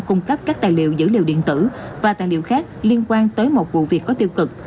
cung cấp các tài liệu dữ liệu điện tử và tài liệu khác liên quan tới một vụ việc có tiêu cực